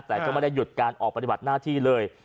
แต่ก็ไม่ได้หยุดการออกปฏิบัติหน้าที่เลย